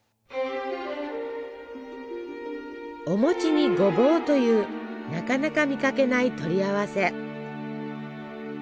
お餅にごぼうというなかなか見かけない取り合わせ。